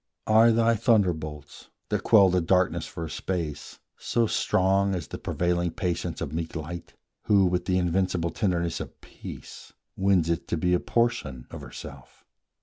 Are thy thunderbolts, That quell the darkness for a space, so strong As the prevailing patience of meek Light, Who, with the invincible tenderness of peace, Wins it to be a portion of herself?